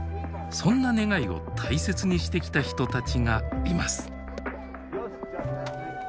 そんな願いを大切にしてきた人たちがいます。